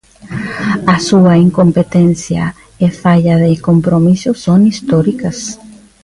A súa incompetencia e falla de compromiso son históricas.